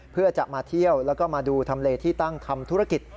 เพื่อจะมาเที่ยวแล้วก็มาดูทำเลที่ตั้งทำธุรกิจ